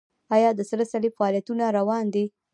آیا د سره صلیب فعالیتونه روان دي؟